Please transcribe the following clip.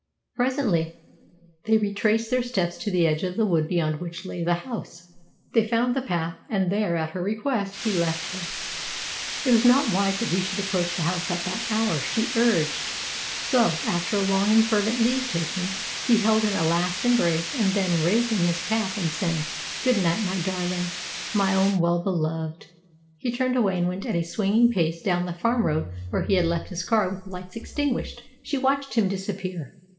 Presently they retraced their steps to the edge of the wood beyond which lay the house. They found the path, and there, at her request, he left her. It was not wise that he should approach the house at that hour, she urged. So, after a long and fervent leave taking, he held her in a last embrace, and then, raising his cap, and saying, "Good night, my darling, my own well beloved!" he turned away and went at a swinging pace down the farm road where he had left his car with lights extinguished. She watched him disappear.